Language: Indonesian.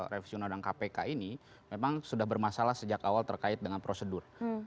revisi undang undang kpk ini memang sudah bermasalah sejak awal terkait dengan prosedur